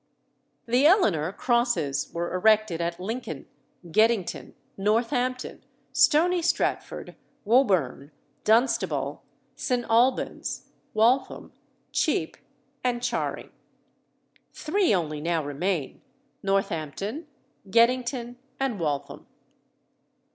The Eleanor crosses were erected at Lincoln, Geddington, Northampton, Stony Stratford, Woburn, Dunstable, St. Albans, Waltham, Cheap, and Charing. Three only now remain, Northampton, Geddington, and Waltham.